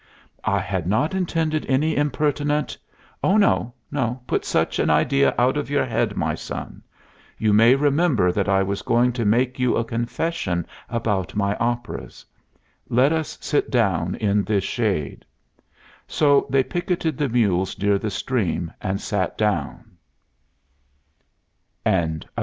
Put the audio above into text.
"I had not intended any impertinent " "Oh no. Put such an idea out of your head, my son. You may remember that I was going to make you a confession about my operas. Let us sit down in this shade." So they picketed the mules near the stream and sat down.